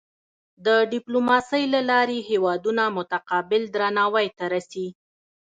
د ډیپلوماسۍ له لارې هېوادونه متقابل درناوی ته رسي.